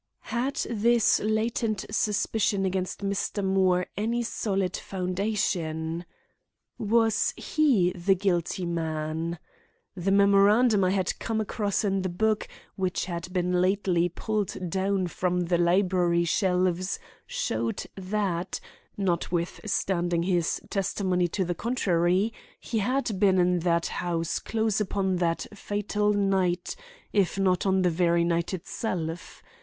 Had this latent suspicion against Mr. Moore any solid foundation? Was he the guilty man? The memorandum I had come across in the book which had been lately pulled down from the library shelves showed that, notwithstanding his testimony to the contrary, he had been in that house close upon that fatal night, if not on the very night itself.